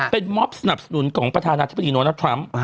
เป็นมอบสนับสนุนของประธานาธิบดีโดนัททรัมป์